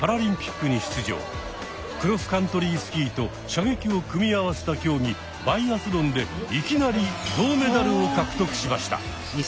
「クロスカントリースキー」と「射撃」を組み合わせた競技「バイアスロン」でいきなり銅メダルを獲得しました。